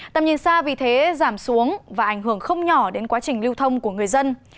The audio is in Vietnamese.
tầm nhìn xa vì thế giảm xuống và ảnh hưởng không nhỏ đến quá trình lưu thông của người dân